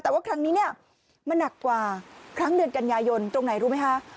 แต่ว่าครั้งนี้เนี่ยมันหนักกว่าครั้งเดือนกันยายนตรงไหนรู้ไหมคะ